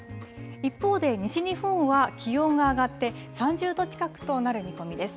一方で西日本は気温が上がって、３０度近くとなる見込みです。